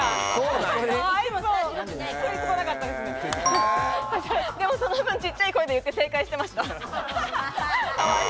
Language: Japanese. でもその分、ちっちゃい声で言って正解してました。